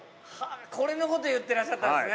これのこと言ってらっしゃったんですね。